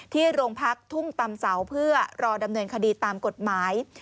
ที่โรงพักทุ่งตำเสาเพื่อรอดำเนินคดีตามกฎหมาย